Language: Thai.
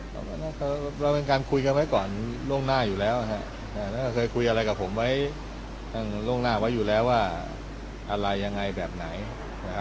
เราก็เป็นการคุยกันไว้ก่อนโล่งหน้าอยู่แล้วคุยอะไรกับผมไว้ทั้งโล่งหน้าว่าอะไรยังไงแบบไหน